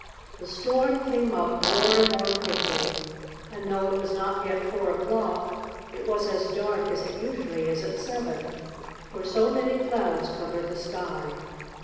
The storm came up more and more quickly, and, though it was not yet four o'clock, it was as dark as it usually is at seven, for so many clouds covered the sky.